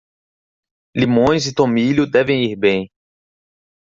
Limões e tomilho devem ir bem.